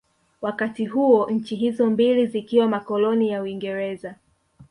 Wakati huo nchi hizo mbili zikiwa makoloni ya Uingereza